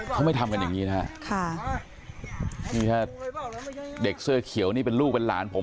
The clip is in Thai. เขาไม่ทำกันอย่างนี้นะฮะค่ะนี่ถ้าเด็กเสื้อเขียวนี่เป็นลูกเป็นหลานผม